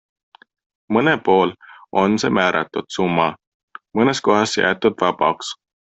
Mõnel pool on see määratud summa, mõnes kohas jäetud vabaks.